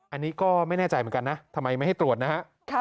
อันนี้ก็ไม่แน่ใจเหมือนกันนะทำไมไม่ให้ตรวจนะฮะ